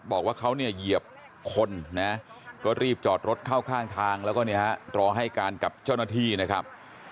บอกว่าเขาเนี่ยเหยียบคนนะก็รีบจอดรถเข้าข้างทางแล้วก็เนี่ยฮะรอให้การกับเจ้าหน้าที่นะครับ